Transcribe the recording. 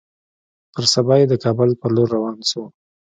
پر سبا يې د کابل پر لور روان سو.